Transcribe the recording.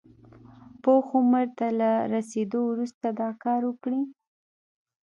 پوخ عمر ته له رسېدو وروسته دا کار وکړي.